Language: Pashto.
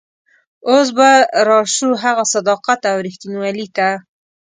اوس به راشو هغه صداقت او رښتینولي ته.